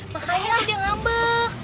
makanya dia ngambek